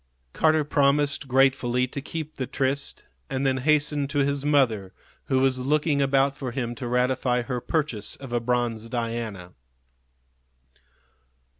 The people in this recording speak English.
Carter promised gratefully to keep the tryst, and then hastened to his mother, who was looking about for him to ratify her purchase of a bronze Diana.